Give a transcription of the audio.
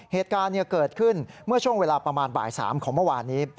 เหตุการณ์เกิดขึ้นเมื่อช่วงเวลาประมาณบ่าย๓ของเมื่อวานนี้